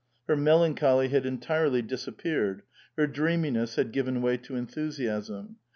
Her melan choly had entirely disappeared ; her dreaminess had given way to enthusiasm.